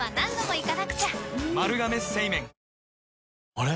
あれ？